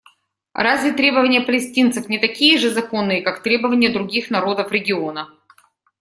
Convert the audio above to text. Разве требования палестинцев не такие же законные, как требования других народов региона?